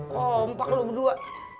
kompak lo berdua